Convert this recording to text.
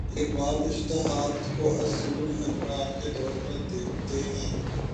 اقبال اجتہاد کو اصول حرکت کے طور پر دیکھتے ہیں۔